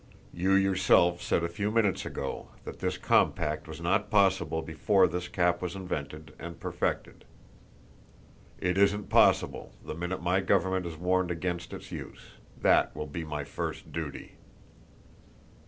You yourself said a few minutes ago that this compact was not possible before this cap was invented and perfected. It isn't possible the minute my government is warned against its use. That will be my first duty."